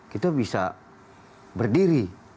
kita bisa berdiri